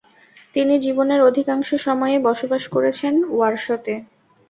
তিনি জীবনের অধিকাংশ সময়ই বসবাস করেছেন ওয়ারশতে।